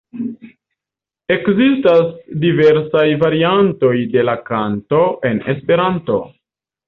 Ekzistas diversaj variantoj de la kanto en Esperanto.